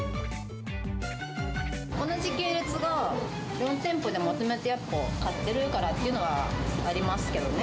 同じ系列が４店舗で、まとめて買ってるからというのはありますけどね。